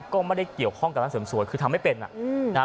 ก็ไม่ได้เกี่ยวข้องกับร้านเสริมสวยคือทำไม่เป็นอ่ะนะฮะ